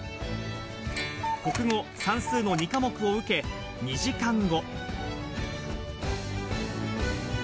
国語、算数の２科目を受け、２時間後。